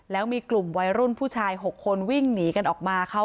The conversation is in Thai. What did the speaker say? แล้วมีกลุ่มวัยรุ่นผู้ชาย๖คนวิ่งหนีกันออกมาค่ะ